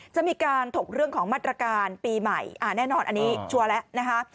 จะมีการถกเรื่องของมาตรการปีใหม่แน่นอนอันนี้ชัวร์แล้วนะคะ